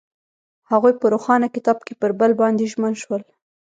هغوی په روښانه کتاب کې پر بل باندې ژمن شول.